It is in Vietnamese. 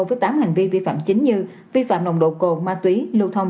với tám hành vi vi phạm chính như vi phạm nồng độ cồn ma túy lưu thông